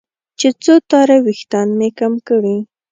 چې څو تاره وېښتان مې کم کړي.